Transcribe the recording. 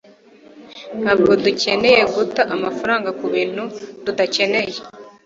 ntabwo dukeneye guta amafaranga kubintu tudakeneye